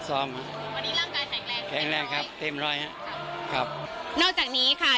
วันนี้ร่างกายแข็งแรงครับแข็งแรงครับเต็มร้อยฮะครับนอกจากนี้ค่ะ